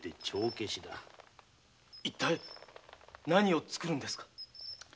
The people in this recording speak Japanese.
一体何を作るんですか？